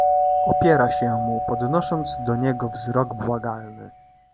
"Opiera się mu, podnosząc do niego wzrok błagalny."